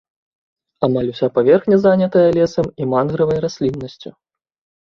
Амаль уся паверхня занятая лесам і мангравай расліннасцю.